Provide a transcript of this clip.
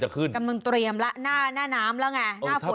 กำลังเตรียมแล้วหน้าน้ำแล้วไงหน้าฝน